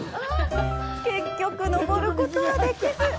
結局、登ることはできず。